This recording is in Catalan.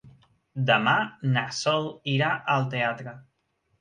Demà na Sol irà al teatre.